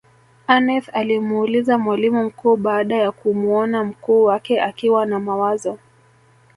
aneth alimuuliza mwalimu mkuu baada ya kumuona mkuu wake akiwa na mawazo